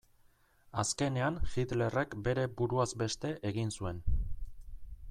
Azkenean Hitlerrek bere buruaz beste egin zuen.